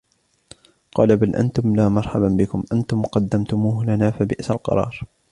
قَالُوا بَلْ أَنْتُمْ لَا مَرْحَبًا بِكُمْ أَنْتُمْ قَدَّمْتُمُوهُ لَنَا فَبِئْسَ الْقَرَارُ